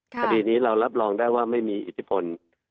คดีนี้เรารับรองได้ว่าไม่มีอิทธิพล